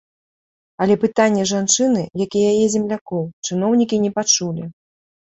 Але пытанне жанчыны, як і яе землякоў, чыноўнікі не пачулі.